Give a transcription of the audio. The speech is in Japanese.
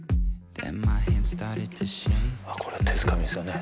これは手づかみですよね